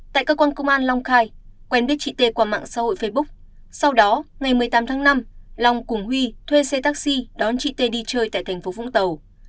tại cơ quan công an long khai quen biết chị tê qua mạng xã hội facebook sau đó ngày một mươi tám tháng năm long cùng huy thuê xe taxi đón chị t đi chơi tại thành phố vũng tàu